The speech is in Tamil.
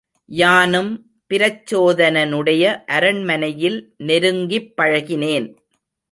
யானும் பிரச்சோதனனுடைய அரண்மனையில் நெருங்கிப் பழகினேன்.